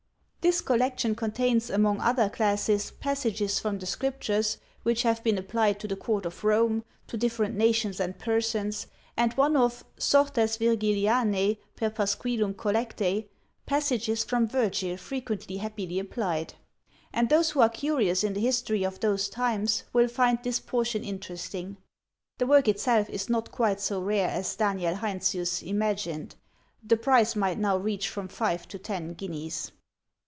This collection contains, among other classes, passages from the Scriptures which have been applied to the court of Rome; to different nations and persons; and one of "Sortes Virgilianæ per Pasquillum collectæ," passages from Virgil frequently happily applied; and those who are curious in the history of those times will find this portion interesting. The work itself is not quite so rare as Daniel Heinsius imagined; the price might now reach from five to ten guineas.